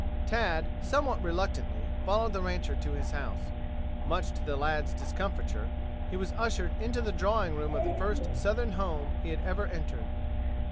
Tad, somewhat reluctantly, followed the rancher to his house. Much to the lad's discomfiture, he was ushered into the drawing room of the first southern home he had ever entered.